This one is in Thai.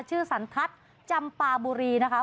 สันทัศน์จำปาบุรีนะคะ